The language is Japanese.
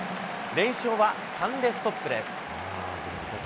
連勝は３でストップです。